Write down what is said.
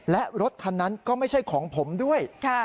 และรถคันนั้นก็ไม่ใช่ของผมด้วย